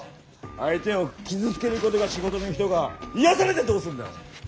相手を傷つける事が仕事の人が癒やされてどうすんだよ！